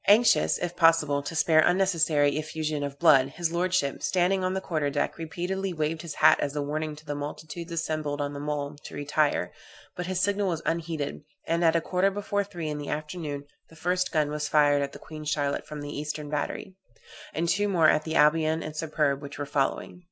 Anxious, if possible, to spare unnecessary effusion of blood, his lordship, standing on the quarter deck, repeatedly waved his hat as a warning to the multitudes assembled on the mole to retire, but his signal was unheeded, and at a quarter before three in the afternoon the first gun was fired at the Queen Charlotte from the eastern battery, and two more at the Albion and Superb, which were following.